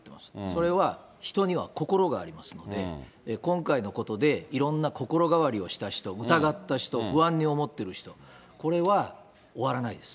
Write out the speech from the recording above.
それは人には心がありますので、今回のことで、いろんな心変わりをした人、疑った人、不安に思ってる人、これは終わらないです。